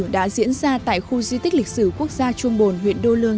đã diễn ra tại khu di tích lịch sử quốc gia trung bồn huyện đô lương